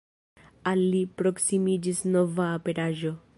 Al li proksimiĝis nova aperaĵo.